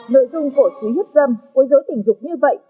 nội dung cổ suý hiếp dâm quấy dối tình dục như vậy